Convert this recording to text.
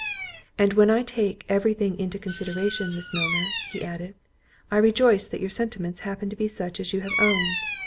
"And when I take every thing into consideration, Miss Milner," added he, "I rejoice that your sentiments happen to be such as you have owned.